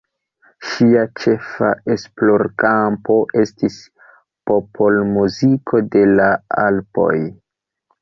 Ŝia ĉefa esplorkampo estis popolmuziko de la Alpoj.